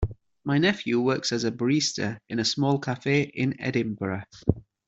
My nephew works as a barista in a small cafe in Edinburgh.